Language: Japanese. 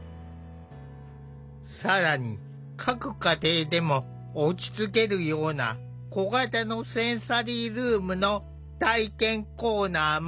更に各家庭でも落ち着けるような小型のセンサリールームの体験コーナーも。